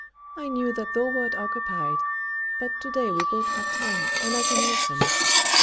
"I knew that thou wert occupied. But to day we both have time, and I can listen."